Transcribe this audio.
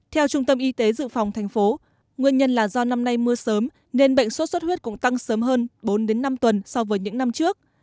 theo trung tâm y tế dự phòng thành phố nguyên nhân là do năm nay mưa sớm nên bệnh sốt xuất huyết cũng tăng sớm hơn bốn năm tuần so với những năm trước